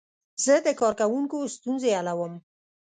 زه د کاروونکو ستونزې حلوم.